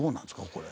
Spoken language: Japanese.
これ。